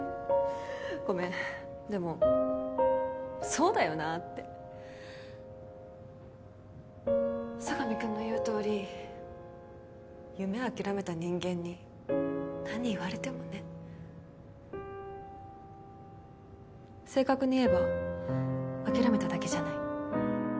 ごめんでもそうだよなって佐神くんの言うとおり夢諦めた人間に何言われてもね正確に言えば諦めただけじゃない